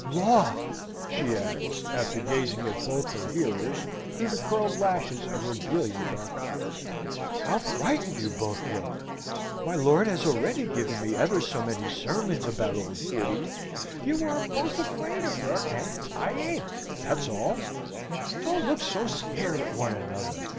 "Law!" she adds, after gazing at both her hearers through the curled lashes of her brilliant dark eyes. "How frightened you both look! My lord has already given me ever so many sermons about old Goody. You are both afraid of her: and I ain't, that's all. Don't look so scared at one another!